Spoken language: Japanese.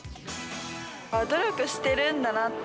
努力してるんだなって